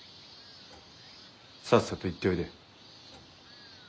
さっさと行っておいで。